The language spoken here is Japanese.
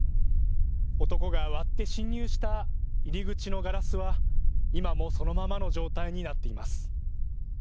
男が割って侵入した入り口のガラスは、今もそのままの状態になっています。